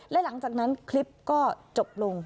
และหลังจากนั้นคลิปก็จบลง